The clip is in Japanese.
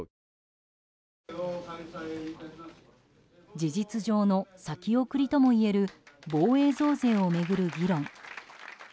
事実上の先送りともいえる防衛増税を巡る議論。